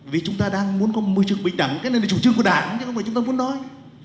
vì chúng ta đang muốn có môi trường bình đẳng cái này là chủ trương của đảng chứ không phải chúng ta muốn nói